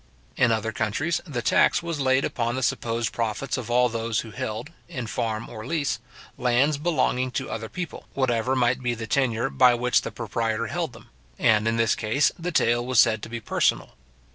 In other countries, the tax was laid upon the supposed profits of all those who held, in farm or lease, lands belonging to other people, whatever might be the tenure by which the proprietor held them; and in this case, the taille was said to be personal.